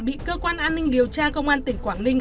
bị cơ quan an ninh điều tra công an tỉnh quảng ninh